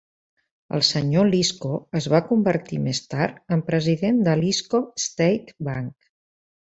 El senyor Lisco es va convertir més tard en president del Lisco State Bank.